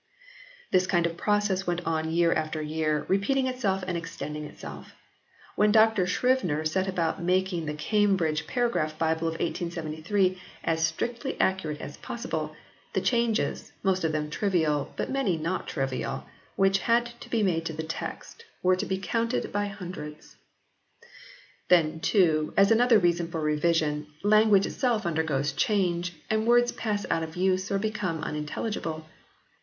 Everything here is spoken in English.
This kind of process went on year after year, repeating itself and extending itself. When Dr Scrivener set about making the Cambridge Para graph Bible of 1873 as strictly accurate as possible, the changes, most of them trivial, but many not trivial, which had to be made in the text, were to be counted by hundreds. Then too, as another reason for revision, language itself undergoes change, and words pass out of use or become unintelligible.